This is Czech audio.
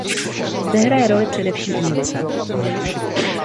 Zde hraje roli především imunita.